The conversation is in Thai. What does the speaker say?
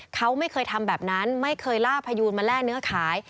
เขาไม่เคยทำแบบนั้นไม่เคยล่าพยูนมาแร่เนื้อขาย